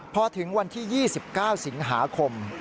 พอถึงวันที่๒๙สิงหาคม